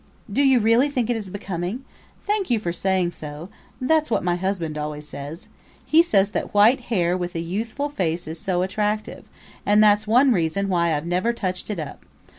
... "Do you really think it is becoming? Thank you for saying so. That's what my husband always says. He says that white hair with a youthful face is so attractive, and that's one reason why I've never touched it up.